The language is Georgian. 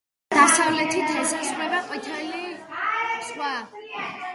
დასავლეთით ესაზღვრება ყვითელი ზღვა.